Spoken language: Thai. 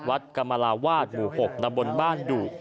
วัดกรรมลาวาสหมู่๖ตำบลบ้านดุ